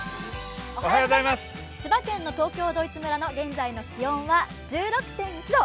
千葉県の東京ドイツ村の現在の気温は１６．１度。